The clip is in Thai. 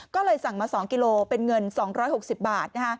ก็เลยสั่งมา๒กิโลเป็นเงิน๒๖๐บาท